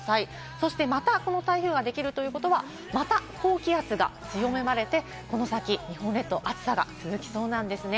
そしてまた、この台風ができるということはまた高気圧が強まって、日本列島は暑さが続きそうなんですね。